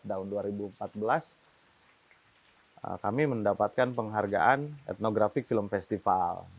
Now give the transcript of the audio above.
tahun dua ribu empat belas kami mendapatkan penghargaan etnografik film festival